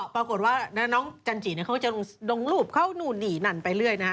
ปรากฏว่าน้องจันจิเขาก็จะลงรูปเขานู่นนี่นั่นไปเรื่อยนะฮะ